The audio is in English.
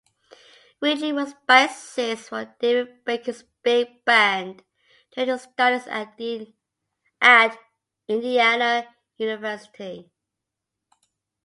Ridley was bassist for David Baker's Big band during his studies at Indiana University.